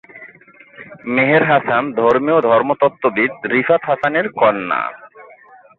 মেহের হাসান ধর্মীয় ধর্মতত্ত্ববিদ রিফাত হাসানের কন্যা।